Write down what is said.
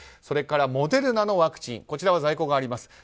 それからモデルナのワクチンこちらは在庫があります。